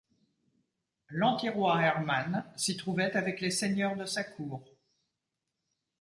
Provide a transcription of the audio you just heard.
L'anti-roi Hermann s'y trouvait avec les seigneurs de sa cour.